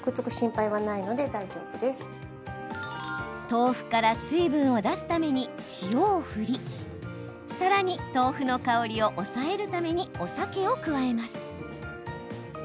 豆腐から水分を出すために塩を振りさらに豆腐の香りを抑えるために、お酒を加えます。